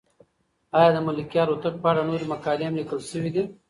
آیا د ملکیار هوتک په اړه نورې مقالې هم لیکل شوې دي؟